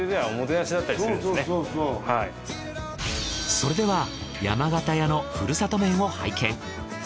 それでは山形屋のふるさと麺を拝見。